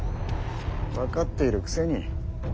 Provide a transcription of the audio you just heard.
分かっているくせに。